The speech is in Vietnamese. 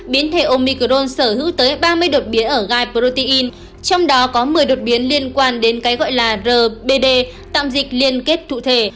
biến thể omicrone sở hữu tới ba mươi đột biến ở gai protein trong đó có một mươi đột biến liên quan đến cái gọi là rbd tạm dịch liên kết cụ thể